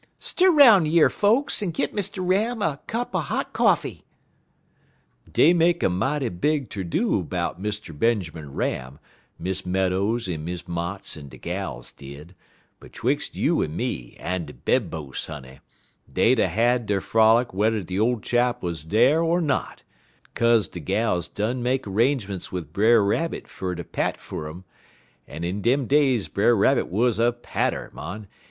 Stir 'roun' yer, folks, en git Mr. Ram a cup er hot coffee.' "Dey make a mighty big ter do 'bout Mr. Benjermun Ram, Miss Meadows en Miss Motts en de gals did, but 'twix' you en me en de bedpos', honey, dey'd er had der frolic wh'er de ole chap 'uz dar er not, kaze de gals done make 'rangerments wid Brer Rabbit fer ter pat fer um, en in dem days Brer Rabbit wuz a patter, mon.